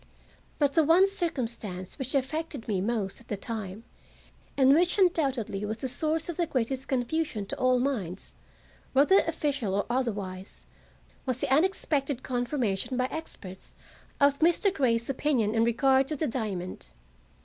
But the one circumstance which affected me most at the time, and which undoubtedly was the source of the greatest confusion to all minds, whether official or otherwise, was the unexpected confirmation by experts of Mr. Grey's opinion in regard to the diamond.